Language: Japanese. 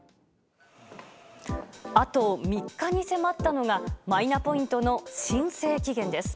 あと３日に迫ったのがマイナポイントの申請期限です。